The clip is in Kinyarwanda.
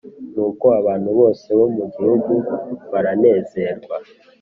Nuko abantu bose bo mu gihugu baranezerwa